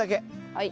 はい。